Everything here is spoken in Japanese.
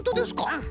うん。